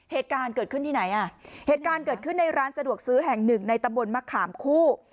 เหตุการณ์เกิดขึ้นที่ไหนอ่ะเหตุการณ์เกิดขึ้นในร้านสะดวกซื้อแห่งหนึ่งในตำบลมะขามคู่